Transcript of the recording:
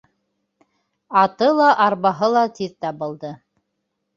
Аты ла, арбаһы ла тиҙ табылды.